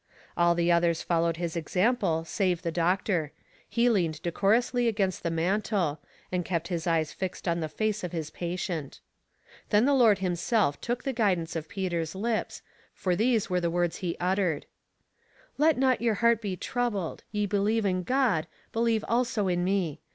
All the others followed his example save the doc tor ; he leaned decorously against the mantel, and kept his eyes fixed on the face of his patient. Then the Lord himself took the guidance of Peter's lips, for these were the words he uttered :" Let not your heart be troubled : ye believe in God, believe also in me.